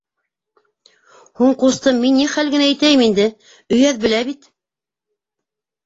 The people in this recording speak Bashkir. — Һуң, ҡустым, мин ни хәл генә итәйем инде, өйәҙ белә бит.